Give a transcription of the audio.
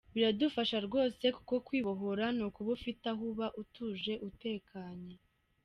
Biradufasha rwose kuko kwibohora ni ukuba ufite aho uba, utuje, utekanye.